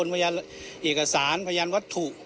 ยังว่าจะเป็นพญานบุคคลพญานเอกสารพญานวัตถุ